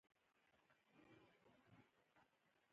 د بادام ګل د څه لپاره وکاروم؟